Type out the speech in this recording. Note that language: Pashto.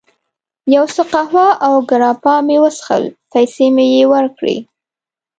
یو څه قهوه او ګراپا مې وڅښل، پیسې مې یې ورکړې.